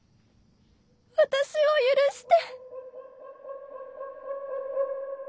私を許して。